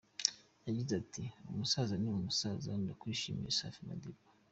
Yagize ati “Umusaza ni umusaza, ndakwishimiye Safi Madiba.